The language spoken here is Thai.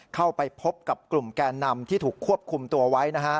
เข้าไปพบกับกลุ่มแกนนำที่ถูกควบคุมตัวไว้นะฮะ